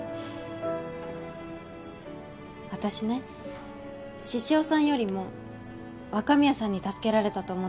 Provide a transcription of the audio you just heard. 私ね獅子雄さんよりも若宮さんに助けられたと思ってるの。